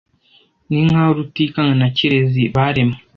Ninkaho Rutikanga na Kirezi baremwe.